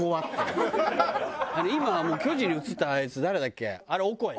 今はもう巨人に移ったあいつ誰だっけ？